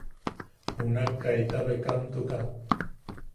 Junak kaita bekamtuka.